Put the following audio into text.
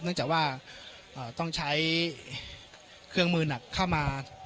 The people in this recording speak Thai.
เนื่องจากว่าต้องใช้เครื่องมือหนักเข้ามา